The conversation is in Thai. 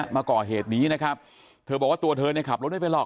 มาก่อเหตุนี้นะครับเธอบอกว่าตัวเธอเนี่ยขับรถไม่เป็นหรอก